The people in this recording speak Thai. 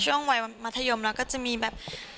ช่วงวัยมัธยมเราก็จะมีแบบ